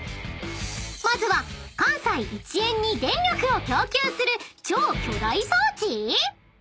［まずは関西一円に電力を供給する超巨大装置⁉］